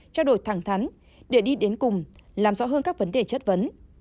trao đổi thẳng thắn để đi đến cùng làm rõ hơn các vấn đề chất vấn